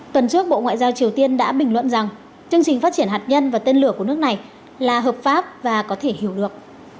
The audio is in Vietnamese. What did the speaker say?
tuần trước bộ ngoại giao triều tiên đã bình luận rằng chương trình phát triển hạt nhân và tên lửa của nước này là hợp pháp và có thể hiểu được